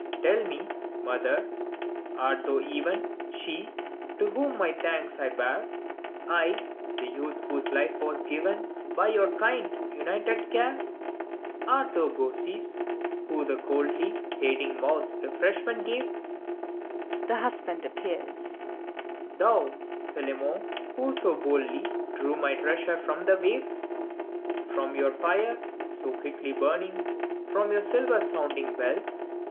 Tell me, mother, art thou even 224 FAUST, She, to whom my thanks I bear, — I, the youth, whose life was giveii By your kind, united care ? Art thou Baucis, who the coldly Fading mouth refreshment gavef (The Husband appears.) Thou, Philemon, who so boldly Drew my treasure from the wavef From your fire, so quickly burning, From your silver sounding bell.